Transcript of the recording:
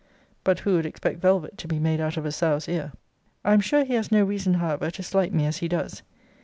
But who would expect velvet to be made out of a sow's ear? I am sure he has no reason however to slight me as he does.